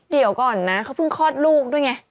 เดี๋ยวก่อนนะเขาเพิ่งคลอดลูกด้วยไง